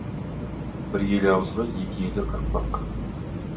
Бір елі ауызға екі елі қақпақ.